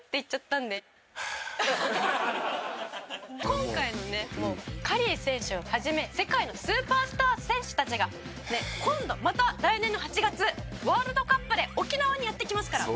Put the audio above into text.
今回のねカリー選手を始め世界のスーパースター選手たちが今度また来年の８月ワールドカップで沖縄にやって来ますから。